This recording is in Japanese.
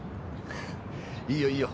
いいよいいよ。